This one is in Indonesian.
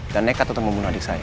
dan nekat untuk membunuh adik saya